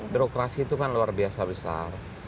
birokrasi itu kan luar biasa besar